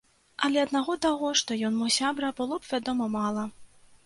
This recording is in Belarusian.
Але аднаго таго, што ён мой сябра, было б, вядома, мала.